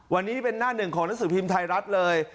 วันนี้เป็นหน้าหนึ่งของหนังสือพิมพ์ไทยรัฐเลย